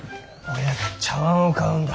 親が茶わんを買うんだ。